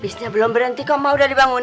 abisnya belum berhenti kok mau dibangunin